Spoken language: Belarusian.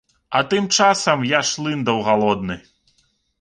А тым часам я шлындаў галодны.